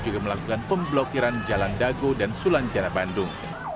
juga melakukan pemblokiran jalan dago dan sulanjara bandung